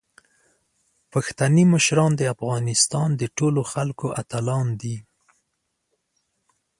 پښتني مشران د افغانستان د ټولو خلکو اتلان دي.